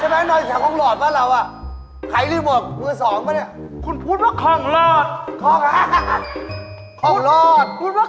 ใช่ไหมนอนจากของหลอดปะเรา